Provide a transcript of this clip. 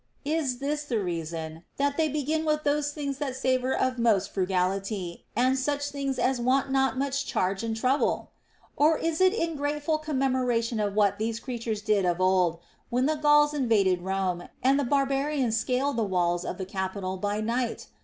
Is this the reason, that they begin with those things that savor of most frugality, and such things as want not much charge and trouble \ Or is it in grateful com 256 THE ROMAN QUESTIONS. memoration of what these creatures did of old, when the Gauls invaded Rome and the barbarians scaled the Avails of the Capitol by night?